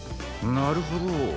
なるほど。